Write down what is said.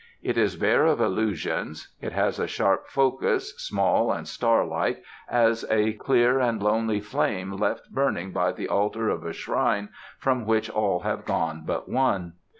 It is bare of illusions. It has a sharp focus, small and starlike, as a clear and lonely flame left burning by the altar of a shrine from which all have gone but one.